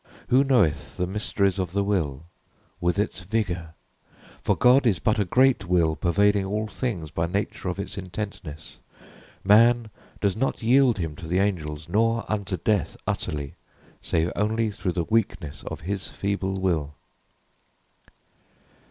Who knoweth the mysteries of the will, with its vigor? For God is but a great will pervading all things by nature of its intentness. Man doth not yield him to the angels, nor unto death utterly, save only through the weakness of his feeble will."